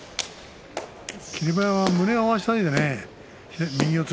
霧馬山は胸を合わせたいよね。